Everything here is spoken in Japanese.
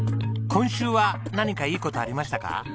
今週は何かいい事ありましたか？